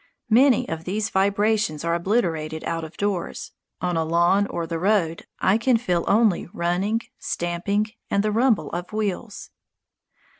Many of these vibrations are obliterated out of doors. On a lawn or the road, I can feel only running, stamping, and the rumble of wheels.